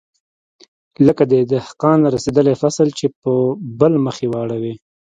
لکه د دهقان رسېدلى فصل چې په بل مخ يې واړوې.